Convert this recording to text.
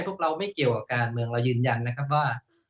พวกเราไม่เกี่ยวกับการเมืองเรายืนยันนะครับว่า